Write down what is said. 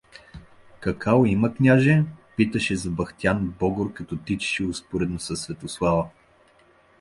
— Какао има, княже? — питаше запъхтян Богор, като тичаше успоредно със Светослава.